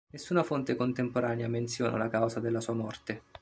Nessuna fonte contemporanea menziona la causa della sua morte.